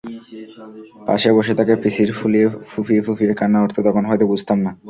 পাশে বসে থাকা পিসির ফুঁপিয়ে ফুঁপিয়ে কান্নার অর্থ তখন হয়তো বুঝতাম না।